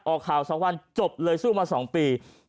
ออกข่าวสองวันจบเลยสู้มาสองปี